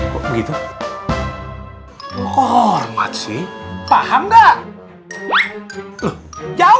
gitu gitu hormat sih paham nggak jawab